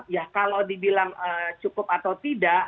ya kalau dibilang cukup atau tidak